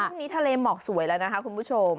ทะเลหมอกสวยแล้วนะคะคุณผู้ชม